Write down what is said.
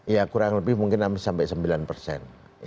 ya kurang lebih mungkin enam sampai sembilan persen